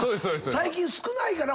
最近少ないから。